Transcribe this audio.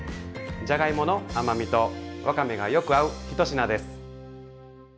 じゃがいもの甘みとわかめがよく合う一品です。